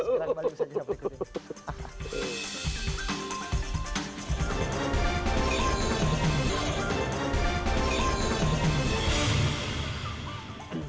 sekarang kembali bisa di capai